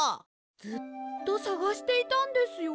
ずっとさがしていたんですよ。